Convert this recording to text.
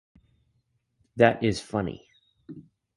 That is funny.